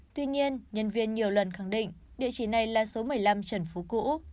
tuy nhiên nhân viên nhiều lần khẳng định địa chỉ này là số một mươi năm trần phú cũ